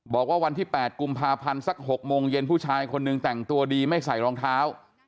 วันที่๘กุมภาพันธ์สัก๖โมงเย็นผู้ชายคนหนึ่งแต่งตัวดีไม่ใส่รองเท้า